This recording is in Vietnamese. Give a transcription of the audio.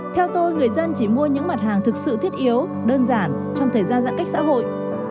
theo tôi người dân chỉ mua những mặt hàng thực sự thiết yếu đơn giản trong thời gian giãn cách xã hội